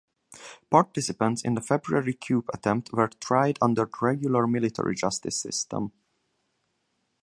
Participants in the February coup attempt were tried under the regular military justice system.